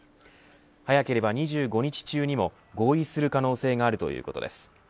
早ければ２５日中にも合意する可能性があるということです。